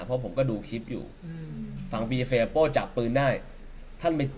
เพราะผมก็ดูคลิปอยู่ฝั่งพี่เฟดโป้จับปืนได้